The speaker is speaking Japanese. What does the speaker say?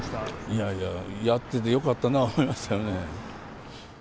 いやいや、やっててよかったな思いましたよね。